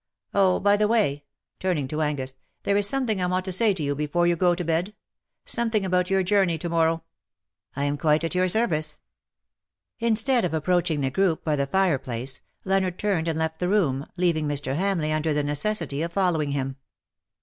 " Oh, by the way/' turning to Angus, " there is something I want to say to you before you go to bed; something about your journey to morrow/' " I am quite at your service.'' Instead of approaching the group by the fire place, Leonard turned and left the room, leaving Mr. Hamleigh under the necessity of following him.